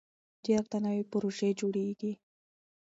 چېرته نوې پروژې جوړېږي؟